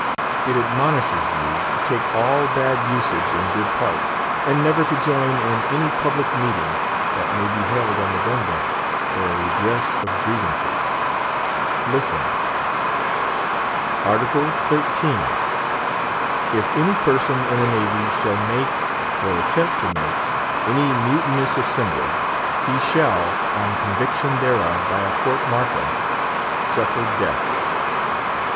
It admonishes you to take all bad usage in good part, and never to join in any public meeting that may be held on the gun deck for a redress of grievances. Listen: Art. XIII. "If any person in the navy shall make, or attempt to make, any mutinous assembly, he shall, on conviction thereof by a court martial, suffer death."